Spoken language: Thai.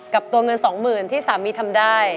กับตัวเงินสองหมื่นที่สามีทำได้